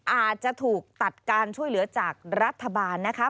อาจจะถูกตัดการช่วยเหลือจากรัฐบาลนะคะ